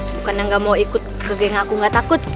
bukan yang nggak mau ikut ke geng aku nggak takut